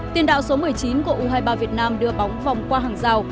tiền đạo số một mươi chín của u hai mươi ba việt nam đưa bóng vòng qua hàng rào